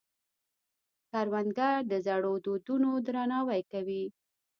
کروندګر د زړو دودونو درناوی کوي